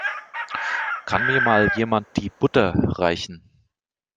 Kann mir Mal jemand die Butter reichen?